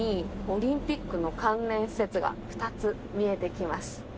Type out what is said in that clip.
オリンピック関連施設が見えてきます。